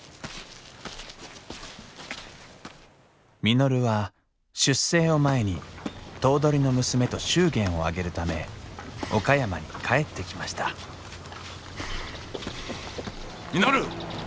稔は出征を前に頭取の娘と祝言を挙げるため岡山に帰ってきました稔！